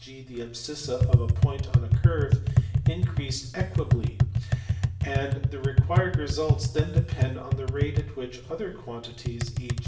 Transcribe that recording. g. the abscissa of a point on a curve) increased equably; and the required results then depend on the rate at which other quantities (e.